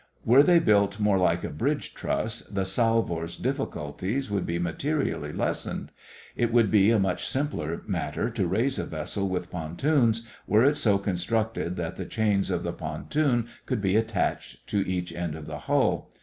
Were they built more like a bridge truss, the salvor's difficulties would be materially lessened. It would be a much simpler matter to raise a vessel with pontoons were it so constructed that the chains of the pontoon could be attached to each end of the hull.